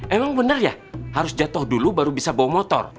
emang bener ya harus jatuh dulu baru bisa bawa motor